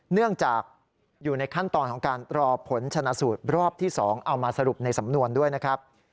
เนื่องจากอยู่ในขั้นตอนของการรอผลชนะสูตรรอบที่๒เอามาสรุปในสำนวนด้วยนะครับ